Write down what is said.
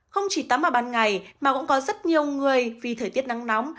không chỉ tắm ở ban ngày mà cũng có rất nhiều người vì thời tiết nắng nóng